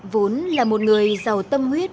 vốn là một người giàu tâm huyết